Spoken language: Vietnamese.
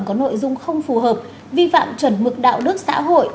có nội dung không phù hợp vi phạm chuẩn mực đạo đức xã hội